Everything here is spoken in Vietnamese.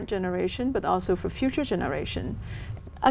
nhìn ra bên ngoài vùng văn hóa